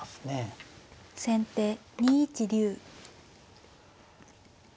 先手２一竜。